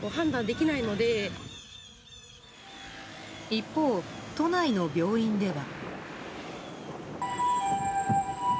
一方、都内の病院では。